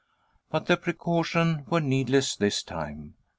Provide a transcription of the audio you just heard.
But their precautions were needless this time.